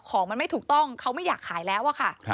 ของมันไม่ถูกต้องเขาไม่อยากขายแล้วอะค่ะ